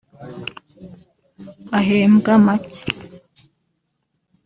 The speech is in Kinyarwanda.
ahembwa make